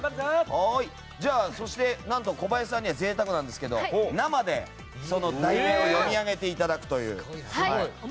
そして、小林さんには贅沢なんですけど生で題名を読み上げていただくという。